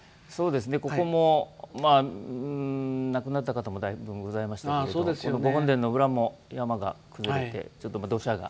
ここも亡くなった方もございましたけどご本殿の裏も山が崩れてちょっと土砂が。